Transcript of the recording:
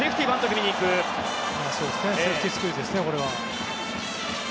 セーフティースクイズですね。